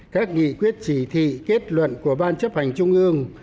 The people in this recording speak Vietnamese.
các nghị quyết chỉ thị kết luận của ban chấp hành trung ương